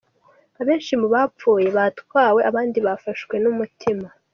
Abenshi muri bapfuye batwawe, abandi bafashwe n'umutima.